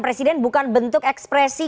presiden bukan bentuk ekspresi